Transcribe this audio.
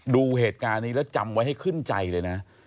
ดูเหตุการณ์นี้แล้วจำไว้ให้ขึ้นใจเลยนะ